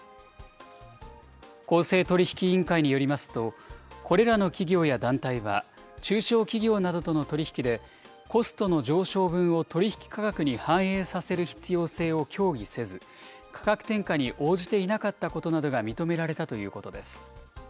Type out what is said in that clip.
公正取引委員会によりますと、これらの企業や団体は、中小企業などとの取り引きで、コストの上昇分を取り引き価格に反映させる必要性を協議せず、価格転嫁に応じていなかったことなどが認められたということです。